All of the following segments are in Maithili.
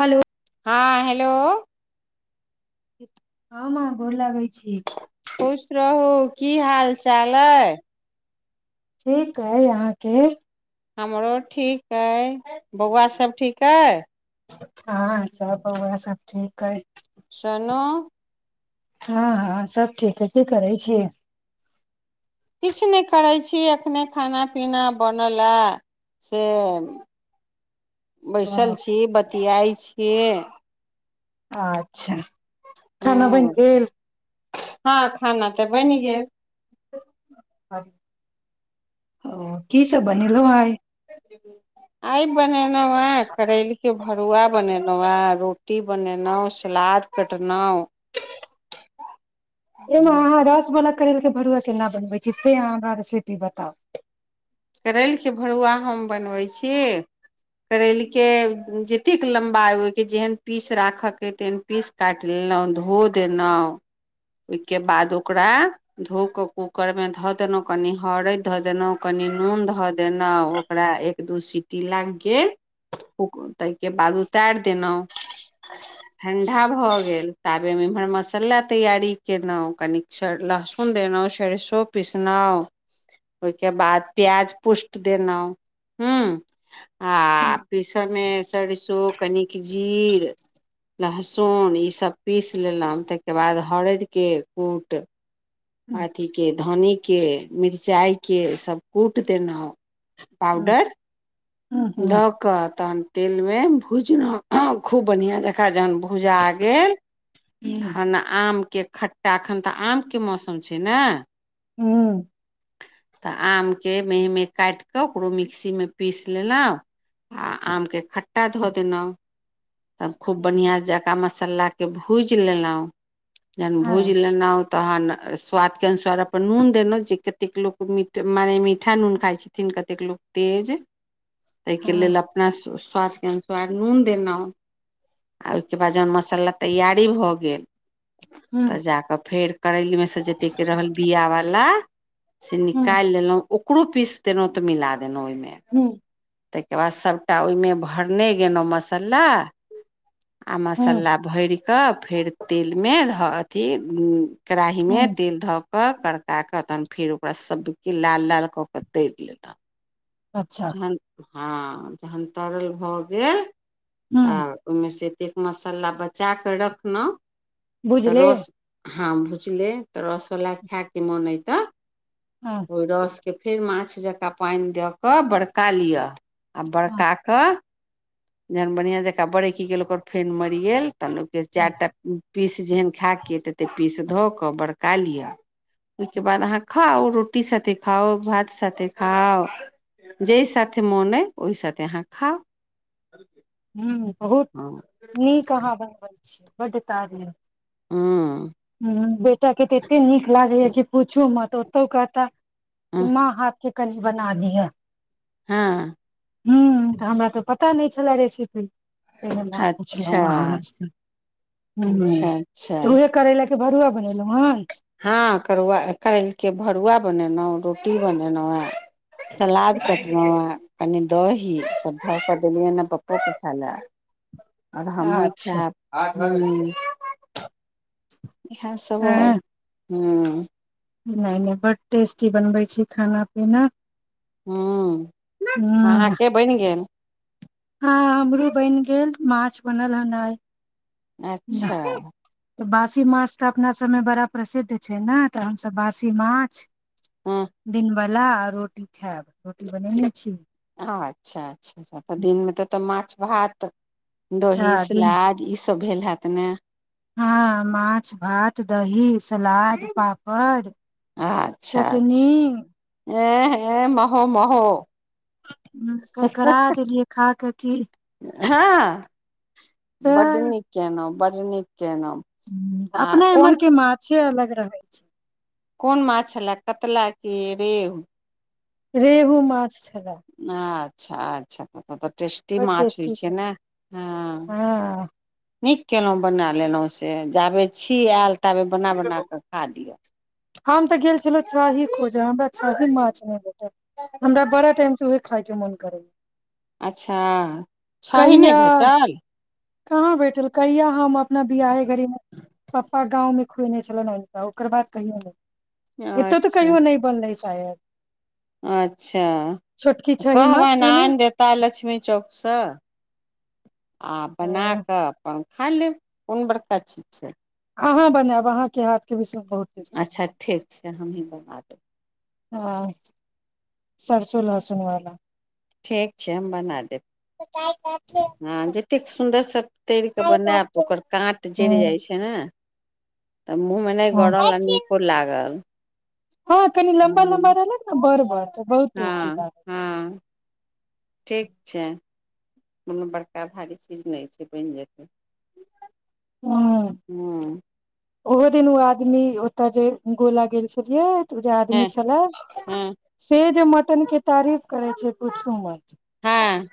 हेलो हँ हेलो [unintelligible] माँ गोर लागै छी खुश रहू की हाल चाल अइ ठीक हइ अहाँके हमरो ठीक अइ बौआ सभ ठीक अइ हँ सब बौआ सब ठीक है सोनू हँ हँ सभ ठीक हइ की करै छियै किछु नहि करै छी एखने खाना पीना बनल अय बैसल छी बच बतियाइ छियै अच्छा खाना हूँ बनि गेल हँ खाना तऽ बनि गेल ओ की सब बनेलौं आइ आइ बनेलहुँ हँ करैल के भरुआ बनेलहुँ आइ बनेलौं यै करेल के भरूआ बनेलौं यै रोटी बनेलौं सलाद कटनाहु ए माँ अहाँ रसवला करेल के भरुआ केना बनबै छी से अहाँ हमरा रेसिपी बताउ करेलके भरुआ हम बनबै छी। करयलके। जित। अतेक लम्बा आहि के जेहन। पीस राखके तेन पीस काटि लेलहुँ धो देलहुँ। ओहिके बाद ओकरा। धो क कूकर मे ध देने। कनि हरैद ध देलहुँ कनि। आम ध देलहु ओकरा ऐ। दो सीटी लागि गेल ओ ताहिके बाद उतार देलहु। ठणडा भ गेल ता। आबेमे इम्हर मसाला तैयारी केलहुँ कनिक लहसुन देलहुँ सरसो पीसलहुँ ओहिके बाद प्याज पोष्ट देना हू। आ पीसमे सरिसू। कनिक जीर लहसुन इसभ पीसि लेलहुँ ताहिके बाद हरदिके कूट। हूँ अथिके। धन्नीके मिरचाइके सभ कूटि देलहुँ। हूँ पाउडर। हूँ द हूँ क तन। तेल मे भुजलउ, खूब बढ़िया जकाँ, जहन भुजा गेल थाना आ आमके खट्टा, एखन तऽ, आमके मौसम छै ने। तऽ, आम के मेही- मेही काटि कऽ, ओकरो मिक्सीमे पीसि लेलहुँ, आ आमके खट्टा धऽ देलहुँ। तब खूब बढ़िआं जे तब मसाला के, भू भुजि लेलहुँ। जेहन हँ भूजी लेलउ तहन स्वादके अनुसार, अपन नून देलहुँ, जे कतेक लोक मीठ, मानेे मीठा नून खाइत छथिन, कतेक लोक तेज। ताहिके लेल, हँ अपना स्वादके अनुसार नून देलहुँ, आ ओहिके बाद जहन मसाला तैयार फिरी भ गेल, हूँ तऽ जा कऽ फेर कराही मे से जते के रहल बिया वाला। से हूँ निकाईल लेलऊ। ओकरो पीस देलौ तऽ मिला दलौ ओय में। हूँ ताहिके बाद सभटा ओहिमे भरने गेलहुँ मसाला। आ हूँ मस्ला भैर। कऽ फेर तेलमे धऽ के हु कड़ाही मे हूँ तेल धऽ कऽ करड़का कऽ तखन फेर ओकरा सभकेँ लाल -लाल कऽ -कऽ तरि लेलऊ। अच्छा जहन हँ जहन तरल भऽ गेल। हूँ आब ओहमे से एतेक मसाला बचा कऽ रखलहुँ। तऽ बुझले। रस हँ भुजले तऽ रौसवला खै के मोन हैइ तऽ। हँ ओ रस के फेर माँछ जकाँ पानि द क बड़का लिअ। आ हँ बड़का क। जहन बढ़िआँ जेका बरकि गेल ओकर फेन मरि गेल। तहांन ओकर हँ चारटा पीस जेहन खा कियऽ ततेक पीस धऽ कऽ बड़का लिअ। ओईके बाद अहाँ खाउ। रोटी साथे खाउ भात साथे खाउ जाहि साथे मोन अइ ओहि साथे अहाँ खाउ। अर हूँ। बहुत नीक अहाँ बनबै बडे तार नै। हँ। ह बेटा के तऽ एते नीक लागेया कि पूछू मत। तो ओतौ कहता माँ हाथ के कनी बना दीय। हँ। हँ तऽ हमरा तऽ पता नहि छलए रेसिपी। तेँ ना अच्छा पुछलहुँ अहाँसँ अच्छा अच्छा करेला के भरूआ हँ करुआ करेल के भरुआ बने लौं रोटी बनेलौं सलाद कटलौंयै कनि दही सभ धऽ कऽ देलियैन पप्पो के खाय लए आओर हमहुँ अच्छा खैब हू इहै सब अय हँ हँ नहि नहि बड्ड टेस्टी बनबै छी खाना पीना हँ हूँ अहाँके बनि गेल हँ हमरो बनि गेल माछ बनल हन आइ अच्छा तऽ बासी माछ तऽ अपना सभमे बड़ा प्रसिद्ध छै ने तऽ हमसभ बासी माछ हँ दिन ब आ रोटी खायब रोटी बनेने छी अच्छा अच्छा तऽ दिनमे तऽ माछ भात दही तऽ दिन सलाद ई सब सब भेल हैत ने हँ माछ भात दही सलाद पापड़ चटनी ए ए महो महो करकरा देलियै खा कऽ की हँ बड्ड तऽ नीके न बड्ड नीक केलहुँ आ अपना कोन इम्हर के माछे अलग रहै छै कोन माछ छलए कतला कि रेहु रेहू माछ छलै अच्छा अच्छा तब तऽ टेस्टी माछ होइ छै ने हँ हँ नीक केलहु बना लेलहु से जाबे छी आयल ताबे बना बना क खा लिअ हम तऽ गेल छलहुँ छाही खोजा हमरा छाही माछ नहि भेटल हमरा बड़ा टाइम से उ खायके मोन कर अच्छा छही नहि कहिया भेटल कहाँ भेठल कहिया हम अपना बिियाहे घड़ी पप्पा गाँंवमे खुएने छल ओकर बाद कहियौ ने एतऽ तऽ अच्छा कहियो नय बनलै सायद अच्छा छोटकी छही माछ कहबैन कहियो नहि आनि देता लक्ष्मी चौक सँ आपना ओ कऽ अपन खा लेब कोन बड़का चीज छै अहाँ बनायब अहाँके हाथके विश्वमे बहुत टेस्टी अच्छा छै ठीक हमही बना देब हँ सरसो लहसुन वाला ठीक छै हम बना देब त हँ जतेक सुन्दरसँ तर कऽ हँ बनाब ओकर काँट जैर जाइ छै ने तऽ मुँहमे नहि हँ गड़ल आ नीको लागल हँ कनि लम्बा-लम्बा हँ रहलक न बड़-बड़ त बहुत टेस्टी हँ लागै छै हँ ठीक छै कोनो बड़का भारी चीज नय छै बनि जेतै हँ हँ ओहो तिन उ आदमी तऽ जे गोला गेल छलियै उ जे आदमी छला हँ से जे मटन के तारीफ करै छै पूछु नय हँ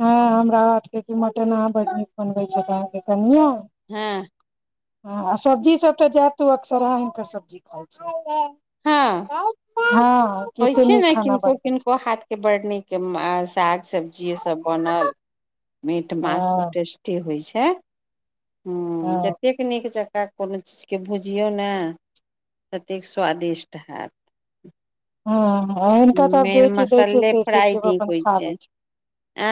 ह हमरा हाथ के कि मटन आ बड नीक बनबे छैथ कि अहाँके कनिया हँ हँ आ सब्जी सब तऽ जातो अक्सराह हिनकर सब्जी खाइ छ हँ होइ कते छै नीक ने खाना किनको बनबै छै किनको हाथके बड् नीक साग सब्जीसभ बनल मीट मास सब हँ टेस्टी होइ छै हे ह जतेक नीक ज कोनो चीजके भुजियौ ने ततेक स्वादिष्ट हैत हँ हँ हुनका तऽ आब जे मेन चीज दै छियै मसल्ले से फ्राइ चीज नीक अपन होइ खा लै छै आ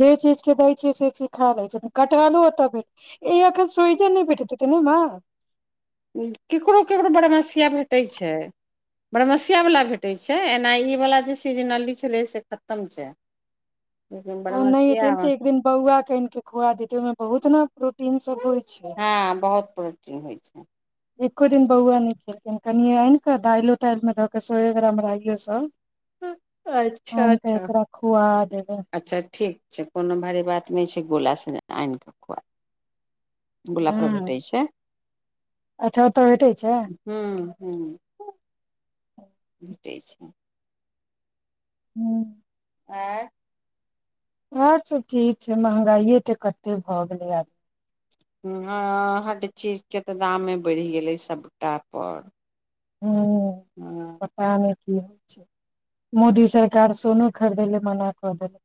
जे चीजके जे दै छियै से चीज खा लै कटहलो एतऽ भेट ए एखन सोहि जन नहि भेटैत हेतै ने माँ ककरो ककरो बरमस्या भेटै छै बरमस्यावला भेटै छै एना ईवला जे सीजनली छलै से खतम छै लेकिन ओ नहि बरमसिया एथिन तऽ मे एक दिन बौआ के आनि के खुआ देतियै ओहिमे बहुत ने प्रोटीन सब होइ छै हँ बहुत प्रोटीन होइ छै एको दिन बौआ नहि खेलकै क कनिये आनि कऽ दालियो तालिमे दऽ कऽ सए ग्राम राइयो सब अच्छा आनि कऽ अच्छा एकरा खुआ देबै अच्छा ठीक छै कोनो भारी बात नहि छै गोला आनि कऽ खुआ गुला पर भेटै छै अठहत्तर भेटै छै ह्म्म ह्म भेटै छै हूँ आँय आओर सब ठीक छै महँगाइए तऽ कतेक भऽ गेलै या हँ-हाँ हर चीजके तऽ दामे बढ़ि गेलै सभटापर हूँ पता नहि की होइ छै मोदी सरकार सोनो खरीदैय लाए मना कऽ देलकै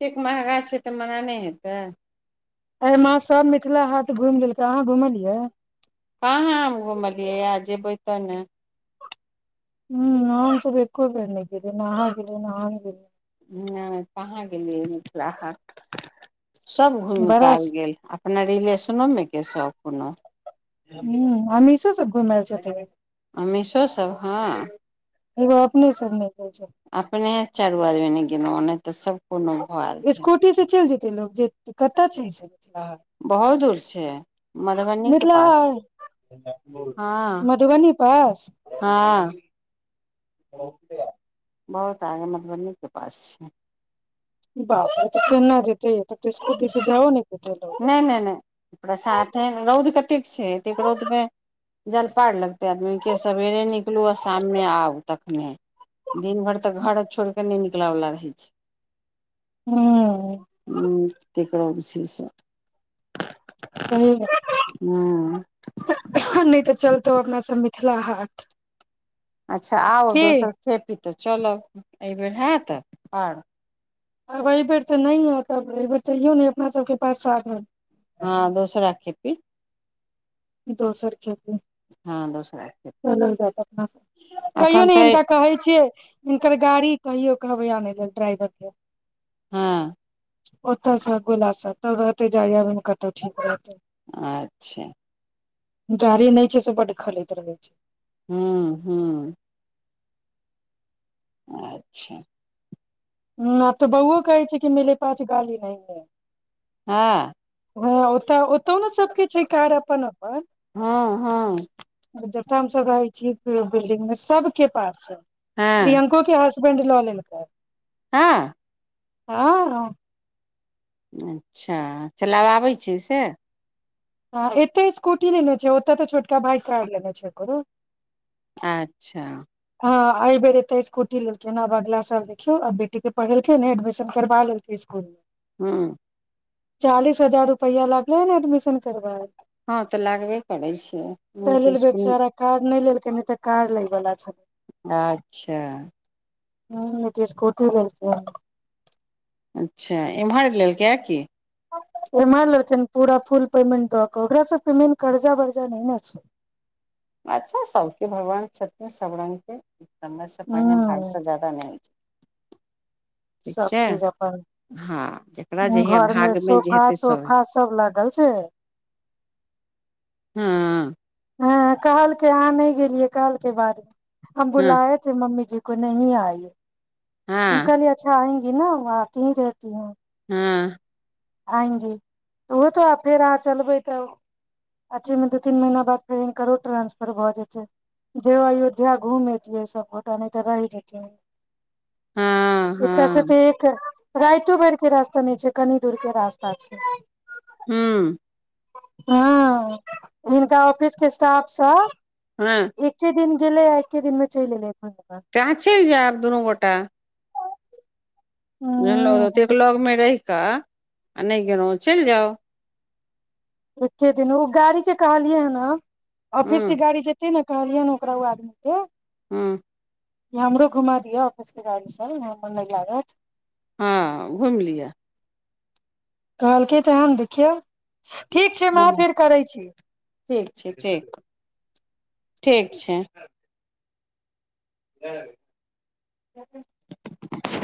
कतेक महगा छै तऽ मना नहि हेतै अहि माह सभमे मिथिला हाट घूमि लेलकै अहाँ घुमलियै कहाँ हम घुमलियै आय जेबै तऽ न हूँ हमसभ एको बेर नहि गेलियै ने अहाँ गेलियै ने हम गेलियै नै कहाँ गेलियै मिथिला हाट सभ घूमि बड़ा कऽ आबि स गेल अपना रिलेशनोमे के सभ कोनाऽ हूँ अमीषो सब घूमि आएल छथिन अमीषो सब हँ एगो अपने सभ नहि गेल छै अपने चारू आदमी नै गेलहूँ नै तऽ सब कोनो भैल छै एते लोग जेतै कतय छै बहुत दूर छै मधुबनी के मिथिला पास हाट हँ मधुबनी पास हँ बहुत आगे मधुबनीके पास छै बाप तऽ केना जेतै तब तऽ स्कूटी से जाओ नहि पेतै लोग नहि नहि नहि प्रसादे रौद कतेक छै एतेक रौदमे जयलपार लगते आदमी के सवेरे निकलु आ शाममे आउ तखने दिन भरि तऽ घर छोड़ि के नहि निकल ठेला वला रहै हूँ छै हू तकर बाद जे छै से सही ह [unintelligible] नहि तऽ चलतौ अपना सबमे मिथिला हाट अच्छा आउ की दोसर खेपी तऽ चलब एहिबेर हायत पार आ एहि बेर तऽ नहि तबएबै तैयो ने अपना सबके पास साधन हँ दोसरा खेपी दोसर खेपी हँ दोसरा खेती चलल जाय अपना सभ कहियो अखन ने तऽ हिनका कहै छियै हिनकर गाड़ी कहियो कहबैय आनैलाए ड्राइवर के हँ ओतऽसँ गोला सँ तब रहते जाई आबै मे कतहु ठीक रहतै अच्छा गाड़ी नहि छै से बड्ड खलैत रहै या हूँ हूँ अच्छा हँ तऽ बौओ कहै छै कि मले पास गाड़ी [unintelligible] हँ हूँ ओतऽ ओतौ न सब रखै छै कार अपन अपन हँ हँ जतह हम सब रहै छियै बिल्डिंग मे सबके पास छै हँ प्रियंको के हास- -बैंड लऽ लैय कैय हँ हँ अच्छा चला बऽ आबै छै से हँ एतय स्कूटी लेने छै ओतय तऽ छोटका भाइ कार लेने छै एकरो अच्छा हँ एहि बेर एते स्कूटी लेलकै आब अगला साल देखियो न आब बेटी के पढ़ेलकै ने एडमिशन करबा लेलकै स्कुल मे हूँ चालीस हजार रुपैया लागल ने एडमिशन करबामे हँ तऽ लागबे करै छै ताहि नीक लेल स्कूल बेचारा कार नहि लेलकै नहि तऽ कार लै वला छथि अच्छा हूँ जे स्कूटी लेलकै या अच्छा एम्हर लेलकै या की [unintelligible] पूरा फुल पेमेन्ट दऽ कऽ ओकरासँ पेमेन्ट कर्जा वर्जा नहि ने छै अच्छा सबके भगवान छथिन सब रंग के समयसँ पहिने ह भाग्यसँ ज्यादा नहि होइ छै ठीक सब छै चीज अपन हँ जेकरा जहिया घरमे भाग मे जे सोफा हेतै सब तोफा हेतै सब लागल छै हँ हँ कहल के अहाँ नहि गेलियै कहलके बादमे हँ हँ [unintelligible] [unintelligible] [unintelligible] [unintelligible] हँ आएंगी ओहो तऽ आब फेर अहाँ चलबै तऽ अथिमे दू तीन महीना बाद फेर हिनकरो ट्रान्सफर भऽ जेतै जे अयोध्या घूमि अतियै सभ गोटा नहि तऽ रहि जेतैय हँ एतऽ से हँ तऽ एक राइतो भरि के रस्ता एतऽ नहि छै कनी दुर के रास्ता छै हूँ हँ हिनका ऑफिस के स्टाफसब हँ एके दिन गेलै आ एकेे दिनमे चलि एलै तऽ अहाँ चलि जैब दुनू गोटा नहि लग ओतेक ह लग मे रहिके कऽ आ नहि गेलहु चलि जाउ [inaudible] खेथिन ओ गाड़ी के कहलियै हन हँ ऑफिस के हूँ गाड़ी जेतै ने कहलियै ने ओकरा ओ आदमी के हँ हमरो घुमा दिअ ऑफिसके गाड़ीसँ हमर नहि लागत हँ घुमि लियऽ कहलके तहन ने कियै ठीक छै माँ हँ फेर करै छी ठीक छै ठीक ठीक छै [unintelligible]